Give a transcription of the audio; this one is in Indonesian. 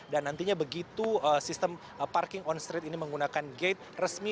dan nantinya begitu sistem parking on street ini menggunakan gate resmi